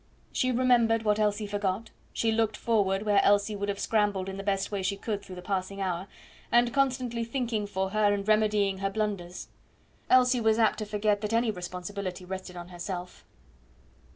She remembered what Elsie forgot; she looked forward where Elsie would have scrambled in the best way she could through the passing hour, and constantly thinking for her and remedying her blunders. Elsie was apt to forget that any responsibility rested on herself.